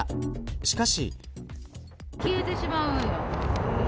しかし。